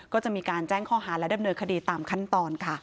ก็จะมีการแจ้งข้อหาและดำเนินคดีตามขั้นตอนค่ะ